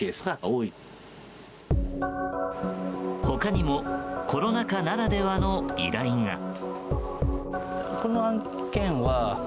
他にもコロナ禍ならではの依頼が。